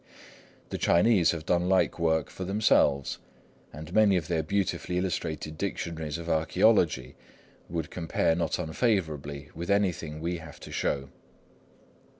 The Chinese have done like work for themselves; and many of their beautifully illustrated dictionaries of archæology would compare not unfavourably with anything we have to show.